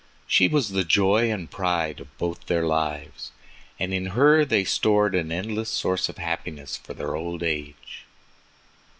She was the joy and pride of both their lives, and in her they stored an endless source of happiness for their old age.